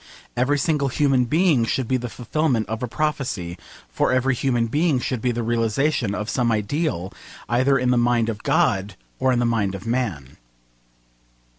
Every single human being should be the fulfilment of a prophecy: for every human being should be the realisation of some ideal, either in the mind of God or in the mind of man.